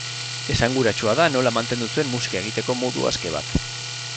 Esanguratsua da nola mantendu zuen musika egiteko modu aske bat.